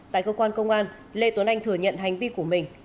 tại cơ quan công an lê tuấn anh thừa nhận hành vi của mình